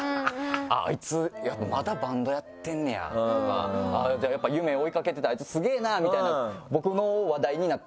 「あいつまだバンドやってんねや」とか「やっぱ夢追いかけててあいつスゲェな」みたいな。